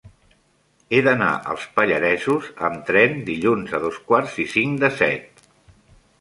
He d'anar als Pallaresos amb tren dilluns a dos quarts i cinc de set.